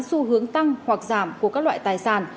xu hướng tăng hoặc giảm của các loại tài sản